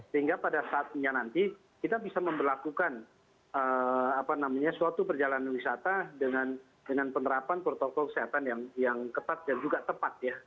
sehingga pada saatnya nanti kita bisa memperlakukan suatu perjalanan wisata dengan penerapan protokol kesehatan yang ketat dan juga tepat ya